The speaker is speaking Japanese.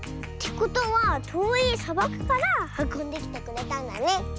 ことはとおいさばくからはこんできてくれたんだね。